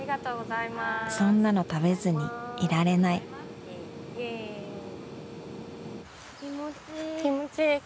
そんなの食べずにいられない気持ちいい。